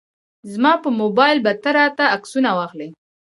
زما په موبایل به راته عکسونه واخلي.